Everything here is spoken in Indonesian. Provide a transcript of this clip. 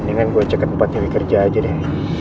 mendingan gue cek ke tempat yang dikerja aja deh